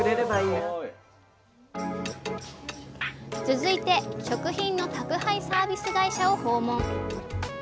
続いて食品の宅配サービス会社を訪問。